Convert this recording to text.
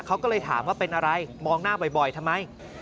เขาก็เลยถามว่าเป็นอะไรมองหน้าบ่อยทำไม